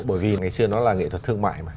thì ngày xưa nó là nghệ thuật thương mại mà